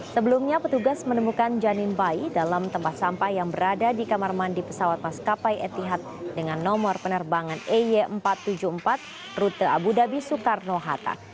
sebelumnya petugas menemukan janin bayi dalam tempat sampah yang berada di kamar mandi pesawat maskapai etihad dengan nomor penerbangan ey empat ratus tujuh puluh empat rute abu dhabi soekarno hatta